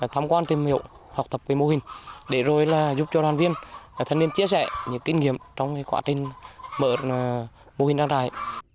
thăm quan tìm hiểu học tập về mô hình để giúp cho đoàn viên thân niên chia sẻ những kinh nghiệm trong quá trình mở mô hình đăng rải